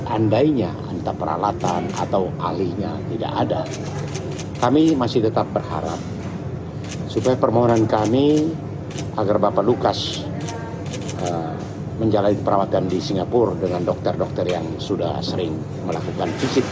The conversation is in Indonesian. andainya antara peralatan atau alihnya tidak ada kami masih tetap berharap supaya permohonan kami agar bapak lukas menjalani perawatan di singapura dengan dokter dokter yang sudah sering melakukan fisik